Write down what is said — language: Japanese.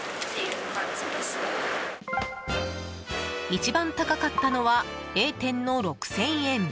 一番高かったのはＡ店の６０００円。